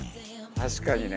「確かにね」